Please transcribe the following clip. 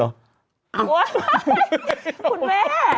อ้าวคุณแม่